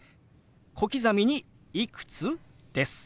小刻みに「いくつ？」です。